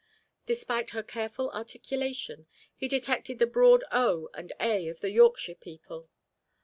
Despite her careful articulation, he detected the broad o and a of the Yorkshire people.